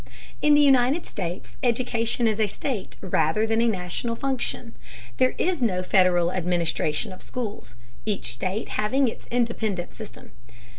In the United States education is a state rather than a national function. There is no Federal administration of schools, each state having its independent system.